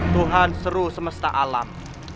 tuhan seru semesta alam